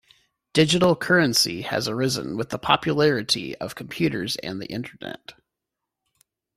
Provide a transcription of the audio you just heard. Digital currency has arisen with the popularity of computers and the Internet.